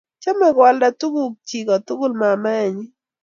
Chame koaldoi tuguk chi kotugul mamaenyi